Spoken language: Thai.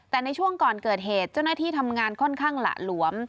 แต่ในช่วงก่อนเกิดเหตุเจ้าหน้าที่ทำงานค่อนข้างหละหลวม